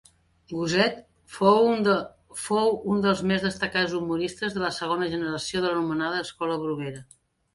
Gosset fou un dels més destacats humoristes de la segona generació de l'anomenada Escola Bruguera.